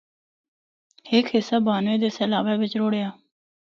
ہک حصہ بانوے دے سیلابا بچ رُڑیِّا۔